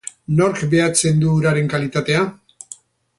Nork behatzen du uraren kalitatea?